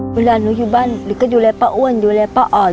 เวลานี้อยู่บ้านแล้วอยู่แล้วป้าอ้วนอยู่แล้วป้าอร